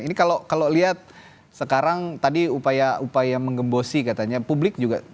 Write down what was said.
ini kalau lihat sekarang tadi upaya upaya mengembosi katanya publik juga